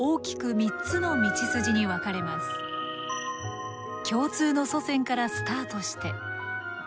共通の祖先からスタートして。